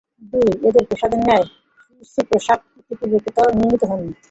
দুই, এদের প্রাসাদের ন্যায় সুউচ্চ প্রাসাদ ইতিপূর্বে কোথাও নির্মিত হয়নি।